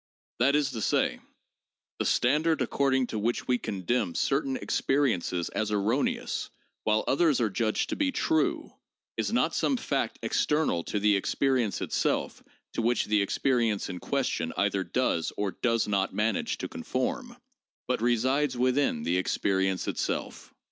That is to say, the standard according to which we condemn certain experiences as erroneous, while others are judged to be 'true,' is not some fact external to the experience itself to which the experience in question either does or does not manage to conform, but resides within the experience itself.